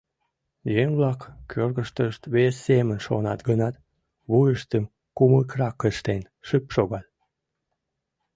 Еҥ-влак кӧргыштышт вес семын шонат гынат, вуйыштым кумыкрак ыштен, шып шогат.